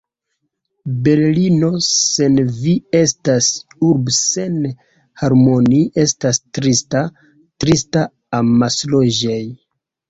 Berlino sen vi estas urb' sen harmoni' estas trista, trista, amasloĝej'